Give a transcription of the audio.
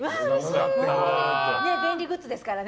便利グッズですからね。